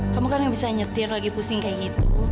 kamu kan yang bisa nyetir lagi pusing kayak gitu